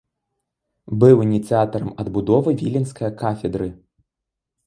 Быў ініцыятарам адбудовы віленскае кафедры.